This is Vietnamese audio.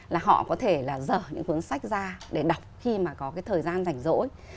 là họ có thể là dở những cuốn sách ra để đọc khi mà có cái thời gian rảnh rỗi